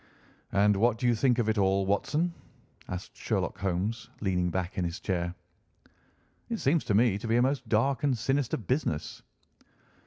"And what do you think of it all, Watson?" asked Sherlock Holmes, leaning back in his chair. "It seems to me to be a most dark and sinister business."